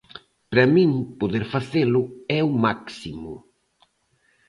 Para min poder facelo é o máximo.